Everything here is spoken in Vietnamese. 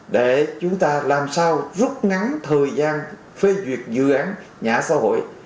để chúng ta làm sao rút ngắn thời gian phê duyệt dự án nhà ở xã hội